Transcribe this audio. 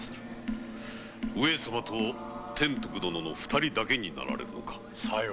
上様と天徳殿の二人だけになられるのか？